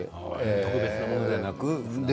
特別なものじゃなく。